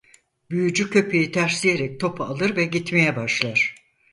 Büyücü köpeği tersleyerek topu alır ve gitmeye başlar.